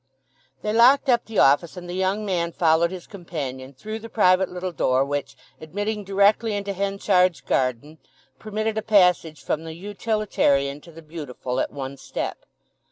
They locked up the office, and the young man followed his companion through the private little door which, admitting directly into Henchard's garden, permitted a passage from the utilitarian to the beautiful at one step.